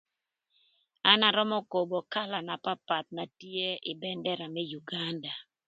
An arömö kobo kala na papath na tye ï bëndëra më Uganda.